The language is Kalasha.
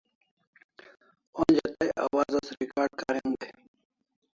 Onja tai awaz as recard karim dai